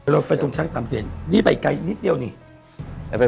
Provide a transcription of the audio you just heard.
ไปตรงช่างสามเซียนนี่ไปไกลนิดเดียวนี่